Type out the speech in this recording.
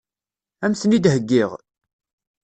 Ad m-ten-id-heggiɣ?